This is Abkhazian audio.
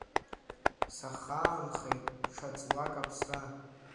Сахаанхеит ҽа ҵлак аԥсра…